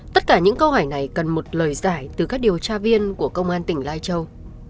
tất cả những câu hỏi này cần một lời giải từ các điều tra viên của công an tỉnh lai châu